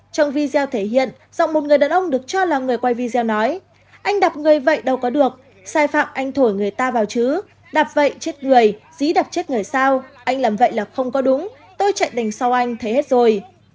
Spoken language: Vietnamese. trong video thể hiện rằng một người đàn ông được cho là người quay video nói anh đạp người vậy đâu có được sai phạm anh thổi người ta vào chứ đạp vậy chết người dí đập chết người sao anh làm vậy là không có đúng tôi chạy đành sau anh thấy hết rồi